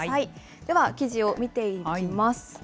では記事を見ていきます。